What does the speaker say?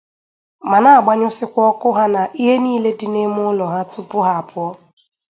ma na-agbanyụsịkwa ọkụ ha na ihe niile dị n'ime ụlọ ha tupu ha apụọ